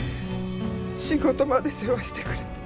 仕事まで世話してくれて。